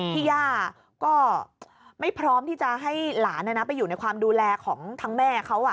ย่าก็ไม่พร้อมที่จะให้หลานไปอยู่ในความดูแลของทั้งแม่เขา